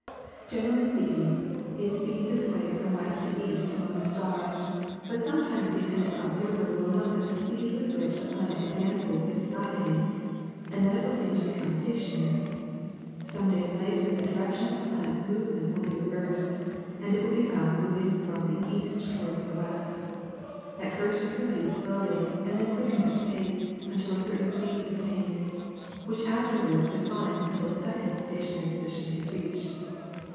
Generally speaking, it speeds its way from west to east among the stars, but sometimes the attentive observer will note that the speed with which the planet advances is slackening, and then it will seem to become stationary. Some days later the direction of the planet's movement will be reversed, and it will be found moving from the east towards the west. At first it proceeds slowly and then quickens its pace, until a certain speed is attained, which afterwards declines until a second stationary position is reached.